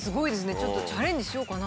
ちょっとチャレンジしようかな。